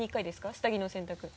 下着の洗濯。